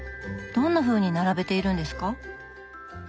どんなふうに並べているんですか？